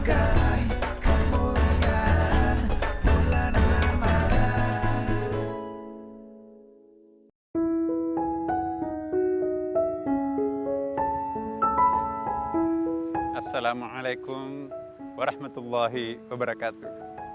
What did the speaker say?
assalamualaikum warahmatullahi wabarakatuh